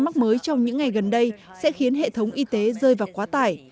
sự gia tăng số ca mắc mới trong những ngày gần đây sẽ khiến hệ thống y tế rơi vào quá tải